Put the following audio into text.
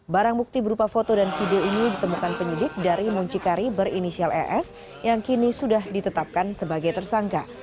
barang bukti berupa foto dan video ini ditemukan penyidik dari muncikari berinisial es yang kini sudah ditetapkan sebagai tersangka